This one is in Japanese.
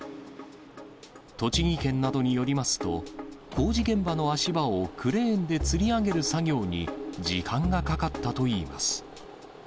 栃木県などによりますと、工事現場の足場をクレーンでつり上げる作業に時間がかかったといいます。